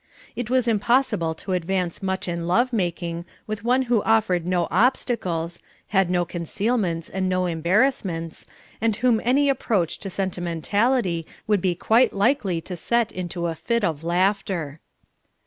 It was impossible to advance much in love making with one who offered no obstacles, had no concealments and no embarrassments, and whom any approach to sentimentality would be quite likely to set into a fit of laughter.